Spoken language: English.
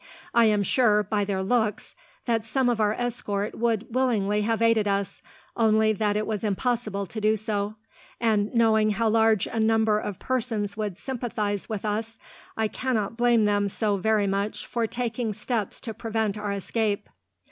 I am sure, by their looks, that some of our escort would willingly have aided us, only that it was impossible to do so; and, knowing how large a number of persons would sympathize with us, I cannot blame them so very much for taking steps to prevent our escape."